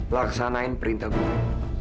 laksanain perintah gue